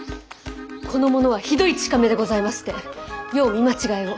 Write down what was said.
この者はひどい近目でございましてよう見間違えを。